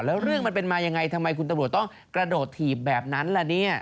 แล้วเรื่องมันเป็นมายังไงทำไมคุณตำรวจต้องกระโดดถีบแบบนั้นล่ะเนี่ย